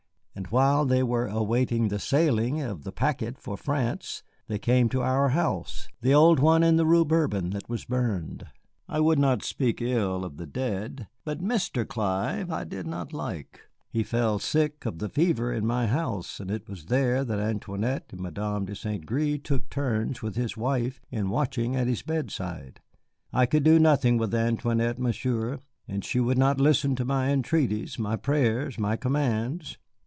And while they were awaiting the sailing of the packet for France they came to our house the old one in the Rue Bourbon that was burned. I would not speak ill of the dead, but Mr. Clive I did not like. He fell sick of the fever in my house, and it was there that Antoinette and Madame de St. Gré took turns with his wife in watching at his bedside. I could do nothing with Antoinette, Monsieur, and she would not listen to my entreaties, my prayers, my commands.